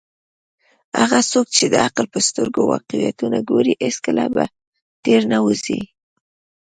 هغه څوک چې د عقل په سترګو واقعیتونه ګوري، هیڅکله به تیر نه وزي.